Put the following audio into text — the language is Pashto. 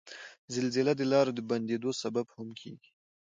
زلزله د لارو د بندیدو سبب هم کیږي.